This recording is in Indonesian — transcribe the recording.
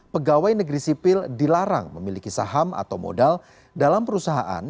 pegawai negeri sipil dilarang memiliki saham atau modal dalam perusahaan